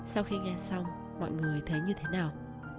sau khi nghe xong mọi người thấy như thế nào